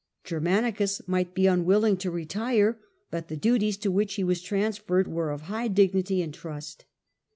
Germanicus might be unwilling to retire ; but the duties to which he was transferred were of high dignity and trust.